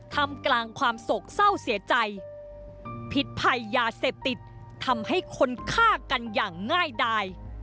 ทำกลางความโศกเศร้าเสียใจพิษภัยยาเสพติดทำให้คนฆ่ากันอย่างง่ายดาย